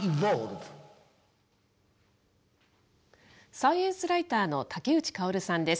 サイエンスライターの竹内薫さんです。